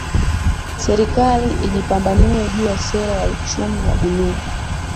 Serikali ijipambanue juu ya sera ya Uchumi wa Buluu